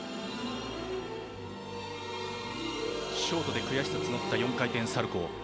ショートで悔しさ募った４回転サルコー。